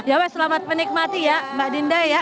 ya weh selamat menikmati ya mbak dinda ya